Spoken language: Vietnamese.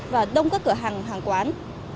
và đông các cửa hàng hàng quán